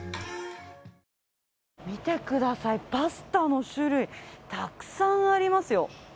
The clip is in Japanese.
見てください、パスタの種類、たくさんありますよ。